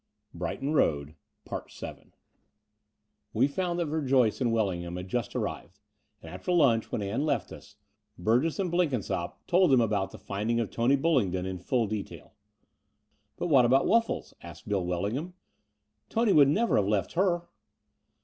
The Brighton Road 95 We found that Verjoyce and Wellingham had just arrived; and after lunch, when Ann left us, Burgess and Blenkinsopp told them about the finding of Tony Bullingdon in full detail. ''But what about Wuffles?" asked Bill Welling ham. "Tony would never have left her.